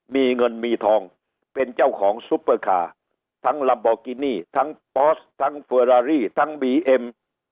มีเงินมีทองเป็นเจ้าของซุปเปอร์คาร์ทั้งลัมโบกินี่ทั้งปอสทั้งเฟอรารี่ทั้งบีเอ็ม